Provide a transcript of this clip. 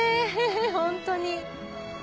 ホントに。